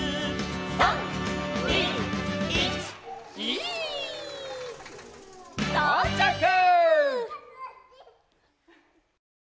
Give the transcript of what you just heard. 「３・２・１ギィ」とうちゃく！